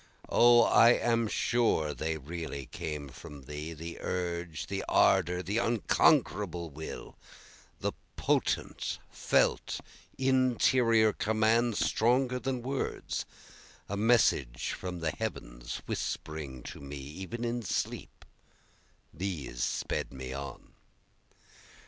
O I am sure they really came from Thee, The urge, the ardor, the unconquerable will, The potent, felt, interior command, stronger than words, A message from the Heavens whispering to me even in sleep, These sped me on.